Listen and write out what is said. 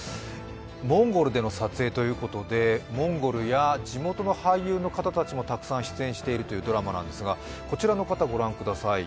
モンゴルでの撮影ということでモンゴルや地元の俳優の方たちもたくさん出演しているというドラマなんですがこちらの方ご覧ください。